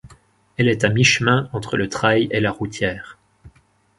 Elle est à mi-chemin entre le trail et la routière.